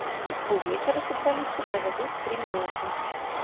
Увечары футбалісты правядуць трэніроўку.